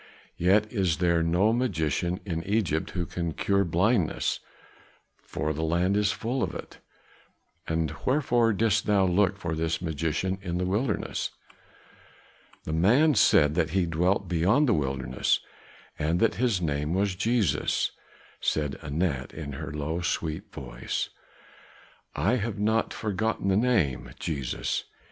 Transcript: Yet is there no magician in Egypt who can cure blindness, for the land is full of it." "And wherefore didst thou look for this magician in the wilderness?" "The man said that he dwelt beyond the wilderness and that his name was Jesus," said Anat in her low, sweet voice. "I have not forgotten the name, Jesus.